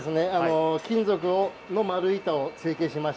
金属の丸い板を成形します。